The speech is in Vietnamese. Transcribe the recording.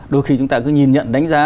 đôi khi chúng ta cứ nhìn nhận đánh giá